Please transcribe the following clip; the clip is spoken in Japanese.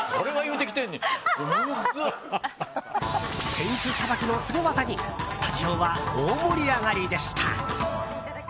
扇子さばきのスゴ技にスタジオは大盛り上がりでした。